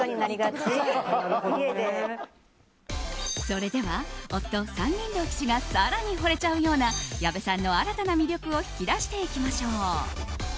それでは、夫・山林堂騎手が更にほれちゃうような矢部さんの新たな魅力を引き出していきましょう。